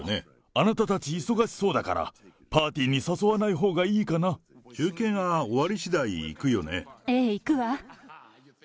あなたたち、忙しそうだから、パーティーに誘わないほうがいいか中継が終わりしだい行くよねええ、行くわ。